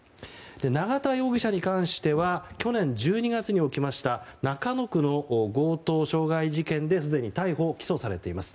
永田容疑者に関しては去年１２月に起きました中野区の強盗・傷害事件ですでに逮捕・起訴されています。